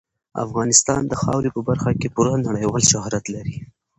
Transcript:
افغانستان د خاورې په برخه کې پوره نړیوال شهرت لري.